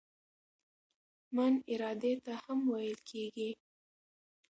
"من" ارادې ته هم ویل کیږي.